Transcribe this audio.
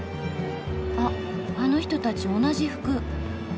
あっあの人たち同じ服。